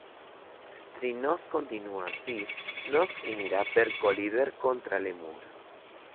Si nos continua assi, nos finira per collider contra le muro.